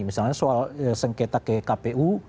misalnya soal sengketa ke kpu